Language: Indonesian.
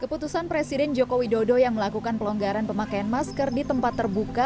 keputusan presiden joko widodo yang melakukan pelonggaran pemakaian masker di tempat terbuka